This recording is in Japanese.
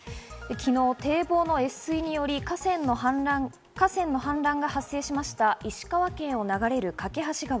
昨日、堤防の越水により、河川の氾濫が発生しました、石川県を流れる梯川。